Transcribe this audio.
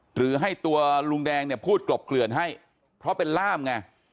หรือให้ตัวลุงแดงเนี่ยพูดกลบเกลื่อนให้เพราะเป็นล่ามไง